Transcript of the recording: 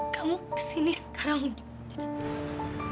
kamu kesini sekarang